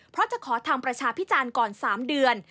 เพราะจะขอทำประชาพิจารณ์ก่อน๓เดือน